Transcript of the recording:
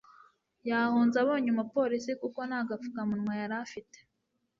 Yahunze abonye umupolisi kuko naga fukamunwa yari afite.